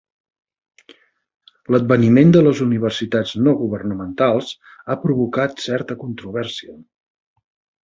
L'adveniment de les universitats no governamentals ha provocat certa controvèrsia.